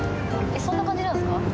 そんな感じなんですか？